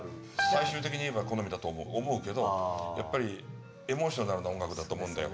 最終的にいえば好みだと思う思うけどやっぱりエモーショナルな音楽だと思うんだよ